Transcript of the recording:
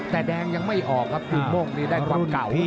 แต่แดงยังไม่ออกครับกิ่งโม่งนี่ได้ความเก่า